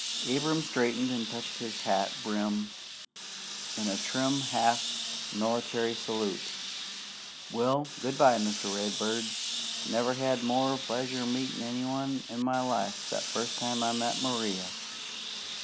Abram straightened and touched his hat brim in a trim half military salute. "Well, good bye, Mr. Redbird. Never had more pleasure meetin' anybody in my life 'cept first time I met Maria.